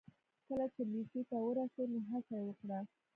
کله چې لېسې ته ورسېد نو هڅه يې وکړه.